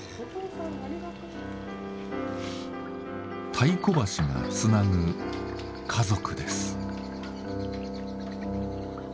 太鼓橋がつなぐ家族です。